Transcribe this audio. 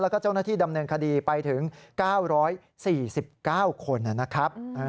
แล้วก็เจ้าหน้าที่ดำเนินคดีไปถึง๙๔๙คนนะครับ